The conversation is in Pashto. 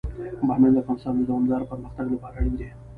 بامیان د افغانستان د دوامداره پرمختګ لپاره اړین دي.